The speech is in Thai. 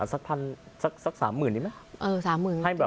สัก๓๐๐๐๐บาทนิดนึงนะ